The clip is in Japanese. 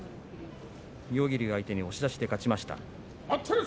妙義龍相手に押し出しで勝ちました。